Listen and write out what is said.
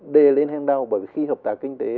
đề lên hành đạo bởi vì khi hợp tác kinh tế